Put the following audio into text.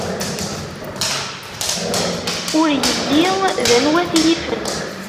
Ur yelli d anwa t-yifen.